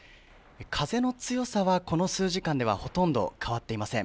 風の強さはこの数時間では、ほとんど変わっていません。